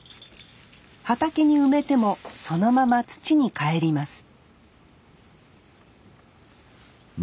畑に埋めてもそのまま土に返ります